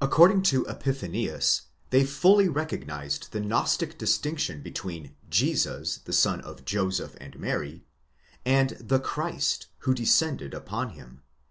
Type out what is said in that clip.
According to Epiphanius, they fully re cognized the Gnostic distinction between Jesus the son of Joseph and Mary, and the Christ who descended upon him!?